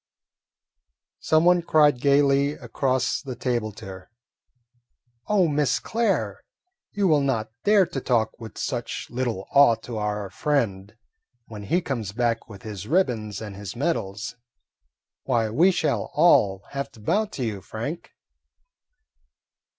Someone cried gayly across the table to her: "Oh, Miss Claire, you will not dare to talk with such little awe to our friend when he comes back with his ribbons and his medals. Why, we shall all have to bow to you, Frank!"